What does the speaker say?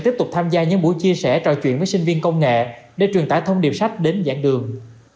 tiếp tục tham gia những buổi chia sẻ trò chuyện với sinh viên công nghệ để truyền tải thông điệp sách đến dạng đường